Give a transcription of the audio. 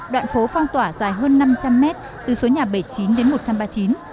đoạn phố phong tỏa dài hơn năm trăm linh mét từ số nhà bảy mươi chín đến một trăm ba mươi chín